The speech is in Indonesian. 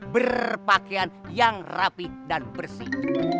berpakaian yang rapih dan bersih